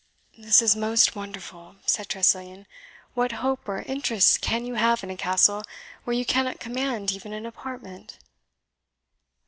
"This is most wonderful!" said Tressilian; "what hope or interest can you have in a Castle where you cannot command even an apartment?"